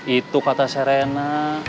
itu kata serena